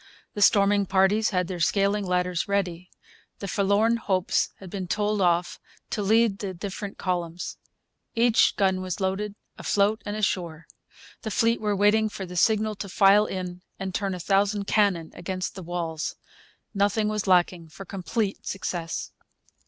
The storming parties had their scaling ladders ready. The Forlorn Hopes had been told off to lead the different columns. Every gun was loaded, afloat and ashore. The fleet were waiting for the signal to file in and turn a thousand cannon against the walls. Nothing was lacking for complete success.